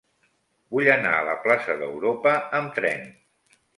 Vull anar a la plaça d'Europa amb tren.